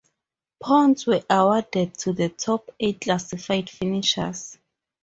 Points were awarded to the top eight classified finishers.